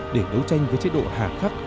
để đấu tranh với chế độ hạ khắc